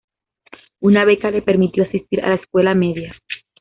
Una beca le permitió asistir a la escuela media.